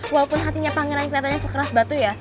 walaupun hatinya pangeran yang keliatannya sekeras batu ya